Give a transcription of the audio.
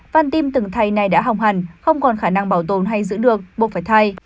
văn tim từng thầy này đã hỏng hẳn không còn khả năng bảo tồn hay giữ được buộc phải thay